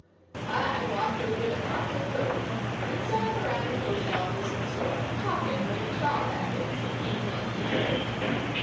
I walked over to Poplar Cove and sat around the postoffice and store, talking with the chawbacons that came in to trade.